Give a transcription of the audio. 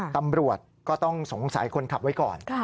ตำรวจก็ต้องสงสัยคนขับไว้ก่อน